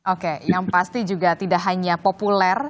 oke yang pasti juga tidak hanya populer